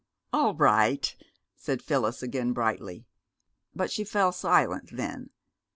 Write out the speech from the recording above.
"All right," said Phyllis again brightly. But she fell silent then.